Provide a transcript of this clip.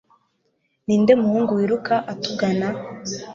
Ninde muhungu wiruka atugana